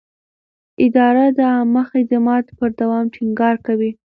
اداره د عامه خدمت پر دوام ټینګار کوي.